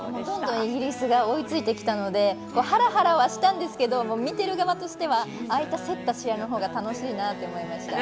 イギリスが追いついてきたのでハラハラはしたんですけど見ている側としてはああいった競った試合のほうが楽しいなって思いました。